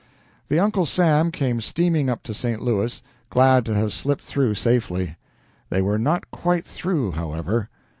The "Uncle Sam" came steaming up to St. Louis, glad to have slipped through safely. They were not quite through, however.